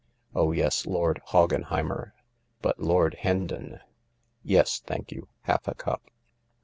— oh yes, Lord Hoggenheimer— but Lord Hendon ! Yes, thank you, half a cup.